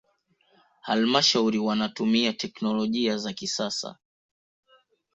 halmashauri wanatumia teknolojia za kisasa